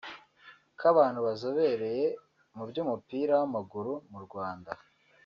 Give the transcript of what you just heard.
k’abantu bazobereye mu by’umupira w’amaguru mu Rwanda